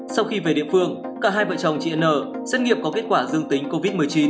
sau khi về địa phương cả hai vợ chồng chị n xét nghiệm có kết quả dương tính covid một mươi chín